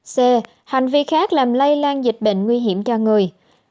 c hành vi khác làm lây lan dịch bệnh nguy hiểm cho người